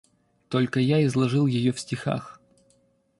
Только я изложил ее в стихах.